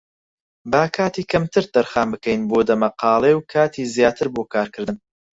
با کاتی کەمتر تەرخان بکەین بۆ دەمەقاڵێ و کاتی زیاتر بۆ کارکردن.